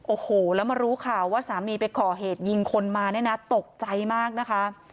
โอ้โหแล้วมารู้ข่าวว่าสามีไปก่อเหตุยิงคนมาเนี่ยนะตกใจมากนะคะ